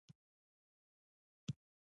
مچمچۍ د خپل ژوند لپاره مبارزه کوي